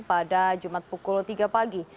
pada jumat pukul tiga pagi